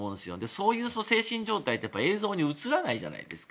そういう精神状態って映像に映らないじゃないですか。